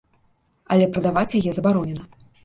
Але прадаваць яе забаронена.